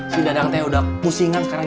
si dadang teh udah pusingan sekarang